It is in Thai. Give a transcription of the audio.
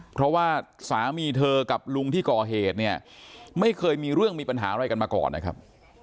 เพราะว่าสามีเธอกับลุงที่ก่อเหตุเนี่ยไม่เคยมีเรื่องมีปัญหาอะไรกันมาก่อนนะครับ